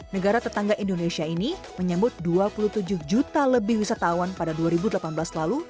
negara tetangga indonesia ini menyambut dua puluh tujuh juta lebih wisatawan pada dua ribu delapan belas lalu